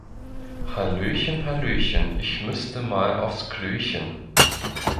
Hallöchen, hallöchen! Ich müsste mal aufs Klöchen.